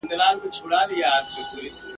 نه یې غم وو چي یې کار د چا په ښه دی !.